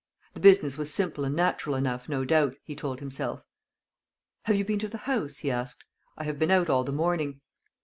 The business was simple and natural enough, no doubt, he told himself. "Have you been to the house?" he asked; "I have been out all the morning."